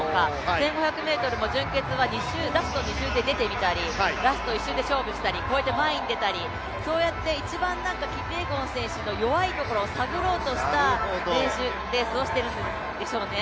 １５００ｍも準決はラスト２周で出てみたりラスト１周で勝負したり、こうやって前に出たり、そうやってキピエゴン選手の一番弱いところを探ろうとして練習をしているんでしょうね。